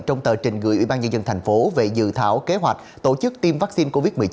trong tờ trình gửi ủy ban nhân dân thành phố về dự thảo kế hoạch tổ chức tiêm vaccine covid một mươi chín